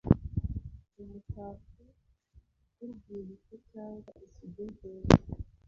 Umutako wurwibutso cyangwa isugi nziza